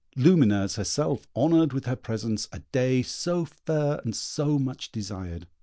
Lumineuse herself honoured with her presence a day so fair and so much desired.